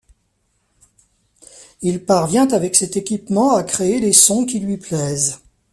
Il parvient avec cet équipement à créer les sons qui lui plaisent.